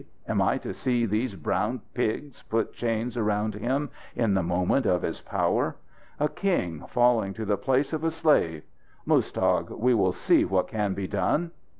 Am I to see these brown pigs put chains around him, in the moment of his power? A king, falling to the place of a slave? Muztagh, we will see what can be done!